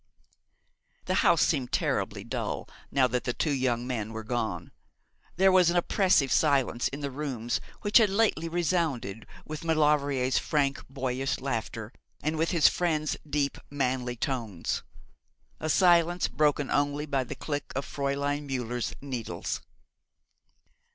The house seemed terribly dull now that the two young men were gone. There was an oppressive silence in the rooms which had lately resounded with Maulevrier's frank, boyish laughter, and with his friend's deep, manly tones a silence broken only by the click of Fräulein Müller's needles.